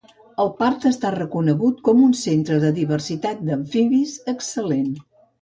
El parc està reconegut com un centre de diversitat d'amfibis excel·lent.